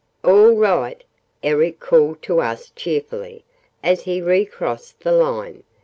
"All right!" Eric called to us cheerfully, as he recrossed the line.